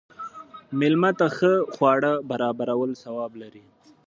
مېلمه ته ښه خواړه برابرول ثواب لري.